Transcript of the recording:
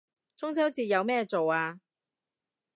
中秋節有咩做啊